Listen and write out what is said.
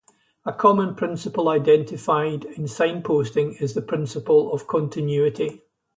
A common principle identified in signposting is the principle of continuity.